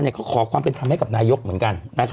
เขาขอความเป็นธรรมให้กับนายกเหมือนกัน